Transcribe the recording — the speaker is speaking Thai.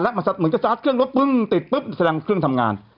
อ่ามันทำงานแล้วมันเหมือนจะซัดเครื่องรถปึ้งติดปึ๊บแสดงเครื่องทำงาน